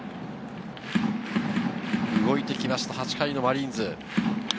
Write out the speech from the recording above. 動いてきました、８回のマリーンズ。